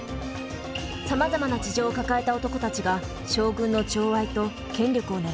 さまざまな事情を抱えた男たちが将軍の寵愛と権力を狙います。